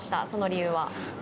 その理由は？